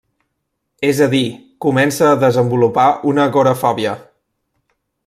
És a dir, comença a desenvolupar una agorafòbia.